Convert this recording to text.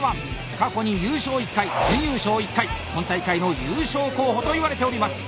過去に優勝１回準優勝１回今大会の優勝候補といわれております！